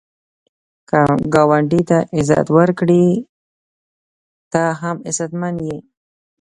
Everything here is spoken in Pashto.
که ګاونډي ته عزت ورکړې، ته هم عزتمن یې